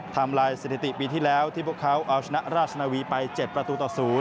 ทำลายสถิติปีที่แล้วที่พวกเขาเอาชนะราชนาวีไป๗ประตูต่อ๐